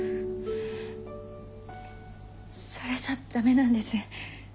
それじゃ駄目なんです。